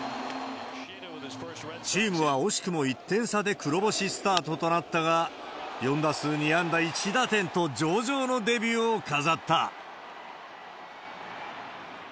チームは惜しくも１点差で黒星スタートとなったが、４打数２安打１打点と上々のデビューを飾った。